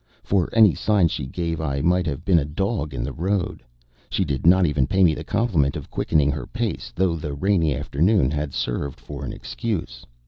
For any sign she gave I might have been a dog in the road. She did not even pay me the compliment of quickening her pace; though the rainy afternoon had served for an excuse.